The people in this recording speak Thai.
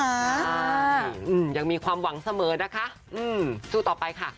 อ่าอืมยังมีความหวังเสมอนะคะอืมสู้ต่อไปค่ะ